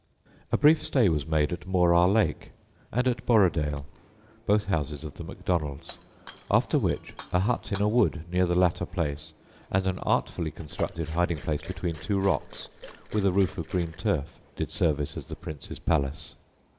A brief stay was made at Morar Lake and at Borrodaile (both houses of the Macdonalds); after which a hut in a wood near the latter place and an artfully constructed hiding place between two rocks with a roof of green turf did service as the Prince's palace.